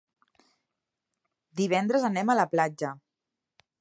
Divendres anem a la platja.